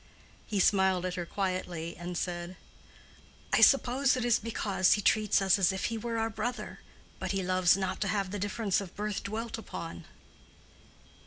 He smiled at her quietly, and said, "I suppose it is because he treats us as if he were our brother. But he loves not to have the difference of birth dwelt upon."